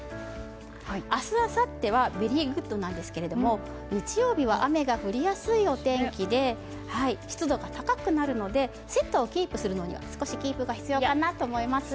明日、あさってはベリーグッドなんですけど日曜日は雨が降りやすいお天気で湿度が高くなるのでセットをキープするのには少しキープが必要かなと思います。